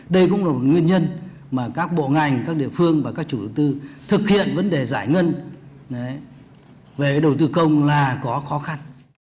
đây cũng là một nguyên nhân mà các bộ ngành các địa phương và các chủ đầu tư thực hiện vấn đề giải ngân về đầu tư công là có khó khăn